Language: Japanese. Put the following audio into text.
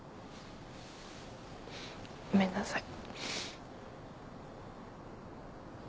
ごめんなさい。